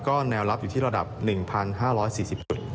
ก็แนวรับอยู่ที่ระดับ๑๕๔๐จุด